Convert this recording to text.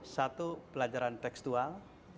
satu pelajaran tekstual